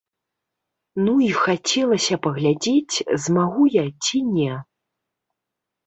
Ну і хацелася паглядзець, змагу я ці не.